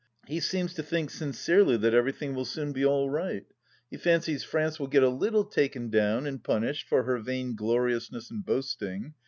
He seems to think sincerely that everything will soon be all right. He fancies France will get a little taken down and punished for her vaingloriousness and boasting.